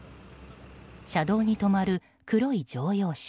車道に止まる黒い乗用車。